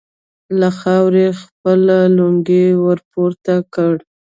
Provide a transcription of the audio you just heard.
له خاورو يې خپله لونګۍ ور پورته کړه.